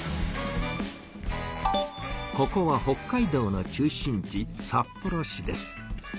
ここは北海道の中心地札幌市です。